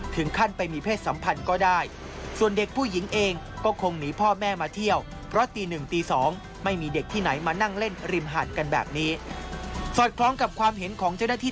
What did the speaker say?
ถึงขั้นไปมีเพศสัมพันธ์ก็ได้